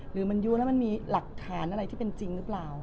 หรือมันรู้แล้วมันมีหลักฐานอะไรที่เป็นจริงหรือเปล่า